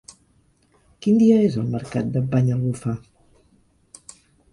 Quin dia és el mercat de Banyalbufar?